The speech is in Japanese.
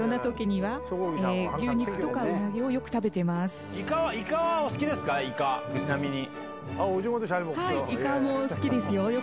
はい、イカも好きですよ。